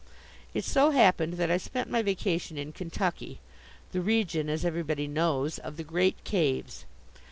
It so happened that I spent my vacation in Kentucky the region, as everybody knows, of the great caves.